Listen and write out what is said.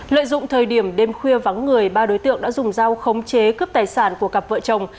lợi dụng thời điểm đêm khuya vắng người ba đối tượng đã dùng dao khống chế cướp tài sản của cặp vợ chồng